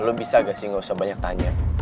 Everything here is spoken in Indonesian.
lo bisa gak sih gak usah banyak tanya